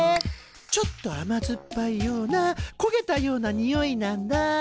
ちょっとあまずっぱいようなこげたようなにおいなんだ。